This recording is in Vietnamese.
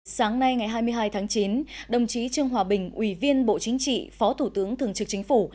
sáng nay ngày hai mươi hai tháng chín đồng chí trương hòa bình ủy viên bộ chính trị phó thủ tướng thường trực chính phủ